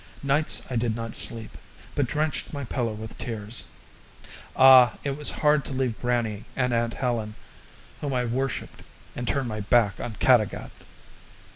Nights I did not sleep, but drenched my pillow with tears. Ah, it was hard to leave grannie and aunt Helen, whom I worshipped, and turn my back on Caddagat!